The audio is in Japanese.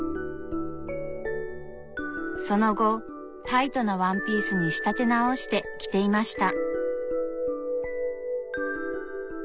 その後タイトなワンピースに仕立て直して着ていました。